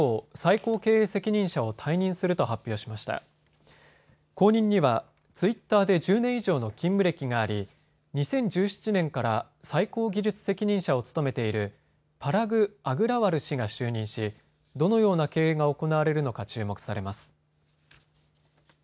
後任にはツイッターで１０年以上の勤務歴があり、２０１７年から最高技術責任者を務めているパラグ・アグラワル氏が就任しどのような経営が行われるのか注目されます。